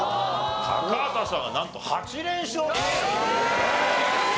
高畑さんはなんと８連勝中！え！